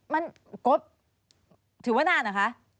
มันกดถือว่านานเหรอคะ